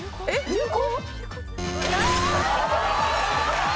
「流行」⁉